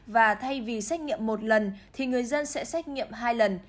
và thay vì xét nghiệm một lần thì người dân sẽ xét nghiệm hai lần